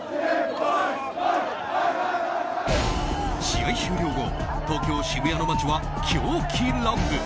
試合終了後東京・渋谷の街は狂喜乱舞。